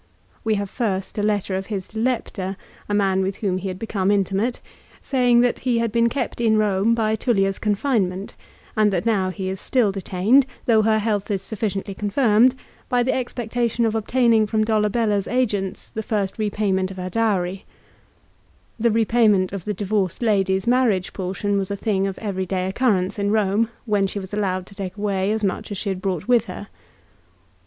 B c 45. ^ e nave fi rst a letter of his to Lepta, a man with aetat. 62. w ] lom h e jj a( j become intimate, saying that he had been kept in Eome by Tullia's confinement, and that now he is still detained, though her health is sufficiently 1 Pliny. Hist. Nat. lib. xiv. 28. MARCELLUS, LIGARIUS, AND DEIOTARUS. 189 confirmed, by the expectation of obtaining from Dolabella's agents the first repayment of her dowry. The repayment of the divorced lady's marriage portion was a thing of every day occurrence in Eome, when she was allowed to take away as much as she had brought with her.